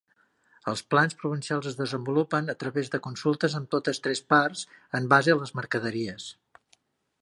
Els plans provincials es desenvolupen a través de consultes amb totes tres parts en base a les mercaderies.